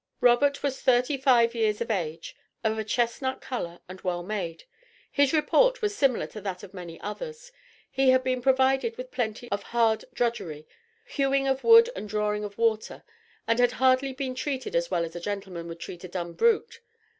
Robert was thirty five years of age, of a chestnut color, and well made. His report was similar to that of many others. He had been provided with plenty of hard drudgery hewing of wood and drawing of water, and had hardly been treated as well as a gentleman would treat a dumb brute.